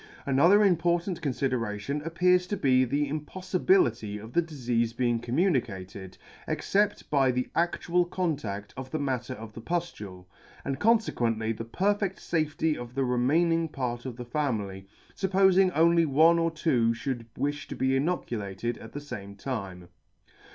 Another important confideration appears to be the impodibility of the difeafe being communicated, except by the adhial contadt of the matter of the pudule, and confe quently the perfedt fafety of the remaining part of the family, fuppofing only one or two fhould wifla to be inoculated at the fame time.